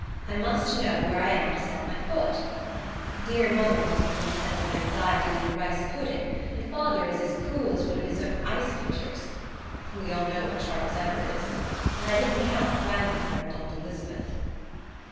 I must know where I am to set my foot. Dear mother has no more sense of anxiety than a rice pudding, and father is as cool as one of his own ice pitchers. We all know what Charles Edward is, and I didn't count grandmother and Aunt Elizabeth.